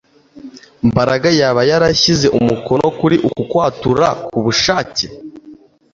Mbaraga yaba yarashyize umukono kuri uku kwatura kubushake